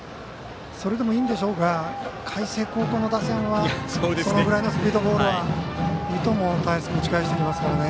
それでもいいんでしょうが海星高校の打線はそのぐらいのスピードボールはいともたやすく打ち返してきますからね。